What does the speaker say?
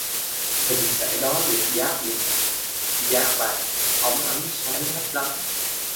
Hình thể đó được dát những giá vàng óng ánh sáng lấp lánh